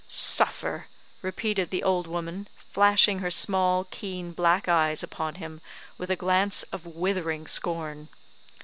"Suffer!" repeated the old woman, flashing her small, keen black eyes upon him with a glance of withering scorn.